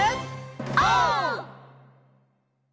オー！